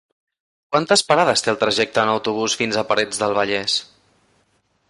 Quantes parades té el trajecte en autobús fins a Parets del Vallès?